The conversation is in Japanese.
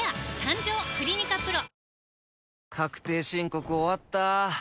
確定申告終わった。